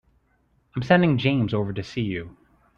I'm sending James over to see you.